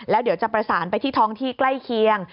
แล้วเดี๋ยวจะประสานไปที่ท้องที่ใกล้เคียง